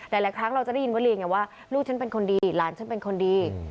หลายครั้งเราจะได้ยินวลีไงว่าลูกฉันเป็นคนดีหลานฉันเป็นคนดี